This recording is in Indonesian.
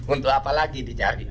untuk apa lagi dicari